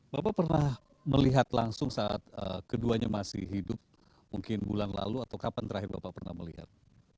bapak pernah melihat langsung saat keduanya masih hidup mungkin bulan lalu atau kapan terakhir bapak pernah melihat